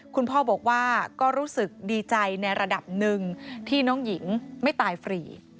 คุณพ่อบอกว่าก็รู้สึกดีใจในระดับหนึ่งที่น้องหญิงไม่ตายฟรี